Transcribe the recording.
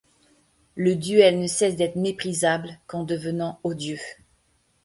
Le duel ne cesse d’être méprisable qu’en devenant odieux.